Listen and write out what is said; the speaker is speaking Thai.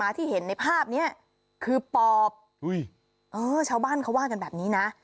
ที่เห็นในภาพนี้คือปอบชาวบ้านเขาว่ากันแบบนี้นะ